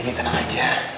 bibi tenang aja